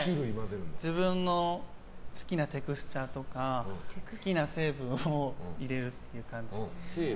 自分の好きなテクスチャーとか好きな成分を入れるっていう感じ。